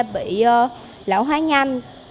bị lão hóa nhanh